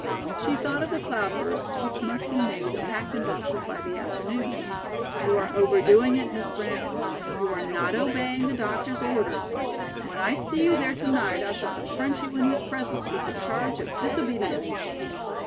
She thought of the "cloud bursts," which must be made and packed in boxes by the afternoon. "You are overdoing it, Miss Brown. You are not obeying the doctor's orders. When I see you there to night I shall confront you in his presence with the charge of disobedience."